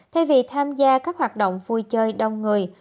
thay vì tham gia các hoạt động vui chơi đông người